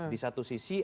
di satu sisi ada sebuah